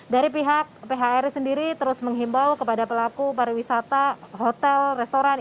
dari pihak phri sendiri terus menghimbau kepada pelaku pariwisata hotel restoran